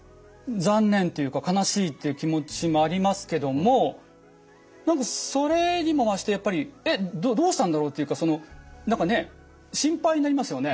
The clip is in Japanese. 残念というか悲しいという気持ちもありますけどもそれにも増してやっぱり「えっどうしたんだろう？」というか何かね心配になりますよね。